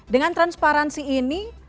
dengan transparansi ini